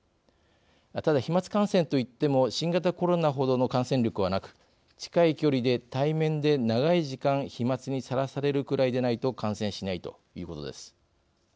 ただ、飛まつ感染といっても新型コロナほどの感染力はなく近い距離で対面で長い時間、飛まつにさらされるくらいでないと感染しないということです。